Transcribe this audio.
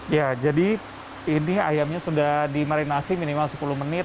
ya jadi ini ayamnya sudah dimarinasi minimal sepuluh menit